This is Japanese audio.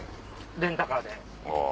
レンタカーで。